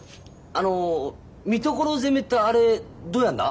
あの三所攻めってどうやんだ？